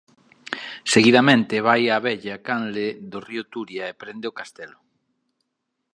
Seguidamente vai á vella canle do río Turia e prende o castelo.